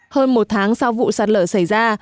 hơn một tháng sau vụ sạt lở xảy ra